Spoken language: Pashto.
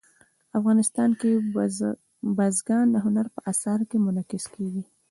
افغانستان کې بزګان د هنر په اثار کې منعکس کېږي.